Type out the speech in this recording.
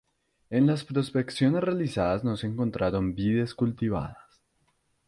En las prospecciones realizadas no se encontraron vides cultivadas.